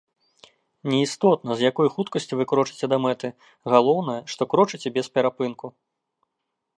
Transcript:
Не істотна, з якой хуткасцю вы крочыце да мэты, галоўнае, што крочыце без перапынку!